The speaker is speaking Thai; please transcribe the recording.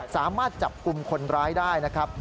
สามารถจับกลุ่มคนร้ายได้นะครับ